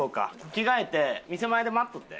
着替えて店前で待っといて。